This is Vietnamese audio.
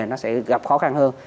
nó sẽ gặp khó khăn hơn